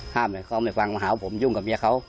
ห้ามเลยเขาเอามาฟังมาหาว่าผมยุ่งกับเมียเขา